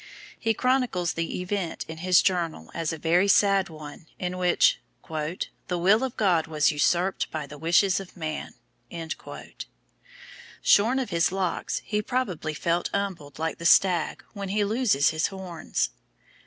He chronicles the event in his journal as a very sad one, in which "the will of God was usurped by the wishes of man." Shorn of his locks he probably felt humbled like the stag when he loses his horns.